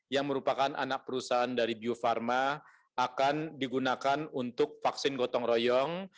yang merupakan anak perusahaan dari bio farma akan digunakan untuk vaksin gotong royong